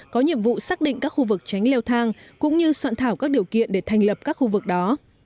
có nhiệm vụ xác định các khu vực tránh leo thang cũng như soạn thảo các điều kiện để thành lập các khu vực đó